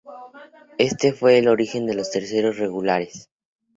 Este fue el origen de los terceros regulares.